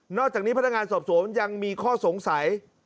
อกจากนี้พนักงานสอบสวนยังมีข้อสงสัย